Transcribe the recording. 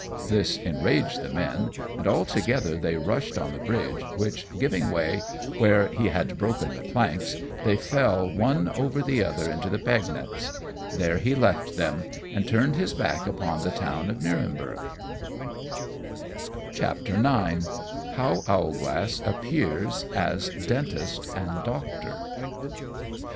This enraged the men, and all together they rushed on the bridge, which giving way where he had broken the planks, they fell one over the other into the Pegnitz. There he left them, and turned his back upon the town of Nurenberg. [Illustration: The Watchmen of Nurenberg.] [Decoration] IX. _How Owlglass appears as Dentist and Doctor.